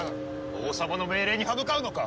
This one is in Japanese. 王様の命令に刃向かうのか！？